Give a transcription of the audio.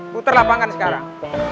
puter lapangan sekarang